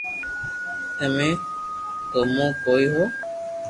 تمي گمو ڪوي ھو